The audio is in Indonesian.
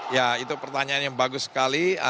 ya itu pertanyaan yang bagus sekali